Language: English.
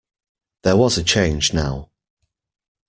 There was a change now.